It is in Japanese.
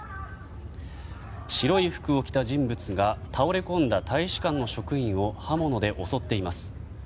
白い服を着た人物が倒れこんだ大使館の職員を刃物で襲っています。